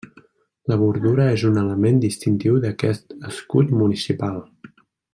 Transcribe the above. La bordura és un element distintiu d'aquest escut municipal.